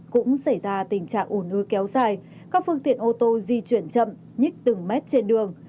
cũng xảy ra tình trạng ủ nứ kéo dài các phương tiện ô tô di chuyển chậm nhích từng mét trên đường